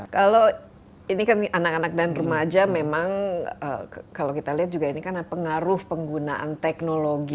kalau ini kan anak anak dan remaja memang kalau kita lihat juga ini kan pengaruh penggunaan teknologi